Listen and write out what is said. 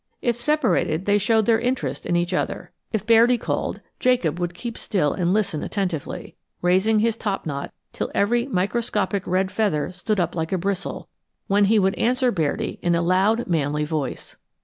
If separated they showed their interest in each other. If Bairdi called, Jacob would keep still and listen attentively, raising his topknot till every microscopic red feather stood up like a bristle, when he would answer Bairdi in a loud manly voice.